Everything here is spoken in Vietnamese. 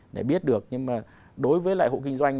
để biết được nhưng mà đối với lại hộ kinh doanh